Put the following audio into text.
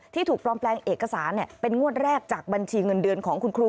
ถูกปลอมแปลงเอกสารเป็นงวดแรกจากบัญชีเงินเดือนของคุณครู